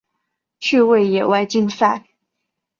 趣味野外竞赛。